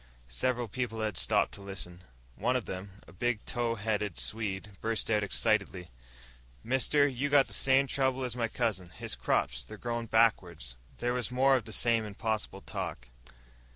Several people had stopped to listen. One of them, a big, tow headed Swede, burst out excitedly. "Mister, you got the same trouble as my cousin. His crops, they're growin' backwards!" There was more of the same impossible talk.